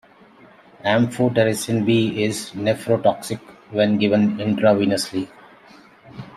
Amphotericin B is nephrotoxic when given intravenously.